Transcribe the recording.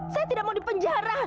saya tidak mau dipenjara